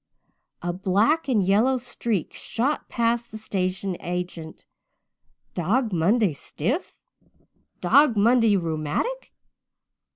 A black and yellow streak shot past the station agent. Dog Monday stiff? Dog Monday rheumatic?